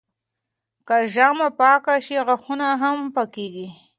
که ژامه پاکه شي، غاښونه هم پاکېږي.